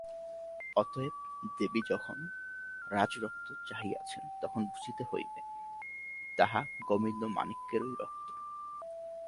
অতএব দেবী যখন রাজরক্ত চাহিয়াছেন তখন বুঝিতে হইবে, তাহা গোবিন্দমাণিক্যেরই রক্ত।